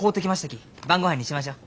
き晩ごはんにしましょう。